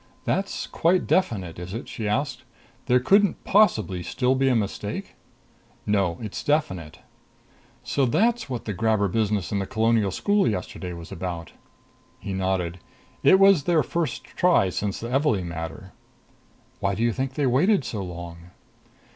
"That's quite definite, is it?" she asked. "There couldn't possibly still be a mistake?" "No. It's definite." "So that's what the grabber business in the Colonial School yesterday was about...." He nodded. "It was their first try since the Evalee matter." "Why do you think they waited so long?"